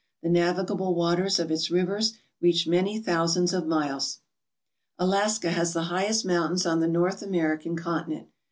The navigable waters of its rivers reach many thousands of miles. Alaska has the highest mountains on the North Amer ican continent.